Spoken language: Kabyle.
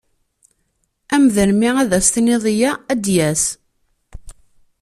Amdan mi ad s-tiniḍ yya ad d-yas.